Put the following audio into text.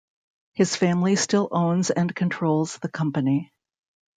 His family still owns and controls the company.